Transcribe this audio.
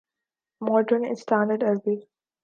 modern standard Arabi